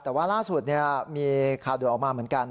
แต่ว่าล่าสุดมีข่าวด่วนออกมาเหมือนกัน